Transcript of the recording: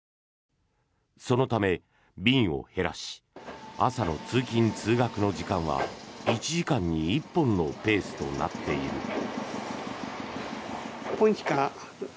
そのため、便を減らし朝の通勤・通学の時間は１時間に１本のペースとなっている。